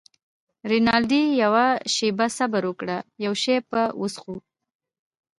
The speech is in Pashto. رینالډي: یوه شیبه صبر وکړه، یو شی به وڅښو.